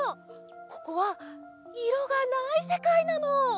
ここはいろがないせかいなの！